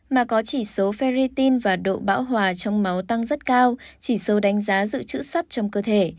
mà có chỉ số ferritin và độ bão hòa trong máu tăng rất cao chỉ số đánh giá dự trữ sắt trong cơ thể